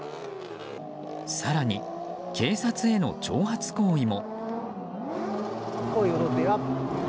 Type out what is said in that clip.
更に警察への挑発行為も。